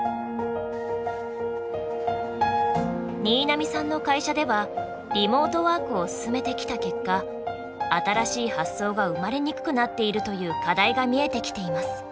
新浪さんの会社ではリモートワークを進めてきた結果新しい発想が生まれにくくなっているという課題が見えてきています。